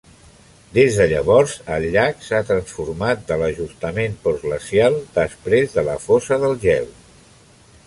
Des de llavors, el llac s'ha transformat de l'ajustament postglacial després de la fosa del gel.